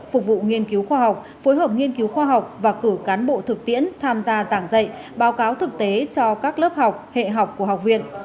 phục vụ nghiên cứu khoa học phối hợp nghiên cứu khoa học và cử cán bộ thực tiễn tham gia giảng dạy báo cáo thực tế cho các lớp học hệ học của học viện